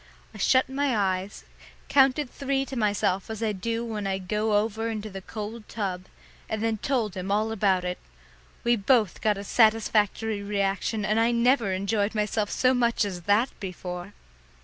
I shut my eyes, counted three to myself as I do when I go over into the cold tub, and then told him all about it. We both got a satisfactory reaction, and I never enjoyed myself so much as that before.